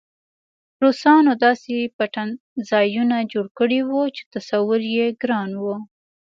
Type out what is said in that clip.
روسانو داسې پټنځایونه جوړ کړي وو چې تصور یې ګران و